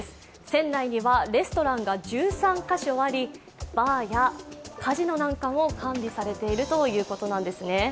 船内にはレストランが１３か所あり、バーやカジノなんかも完備されているということです。